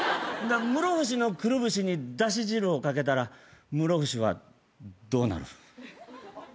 室伏のくるぶしにだし汁をかけたら室伏はどうなる？